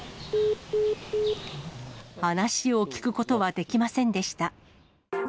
話を聞くことはできませんでした。